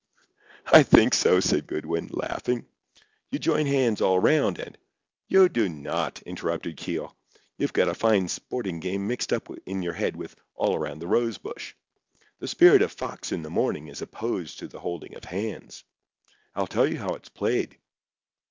"I think so," said Goodwin, laughing. "You join hands all 'round, and—" "You do not," interrupted Keogh. "You've got a fine sporting game mixed up in your head with 'All Around the Rosebush.' The spirit of 'Fox in the Morning' is opposed to the holding of hands. I'll tell you how it's played.